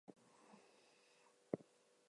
William Cullen practiced as all three.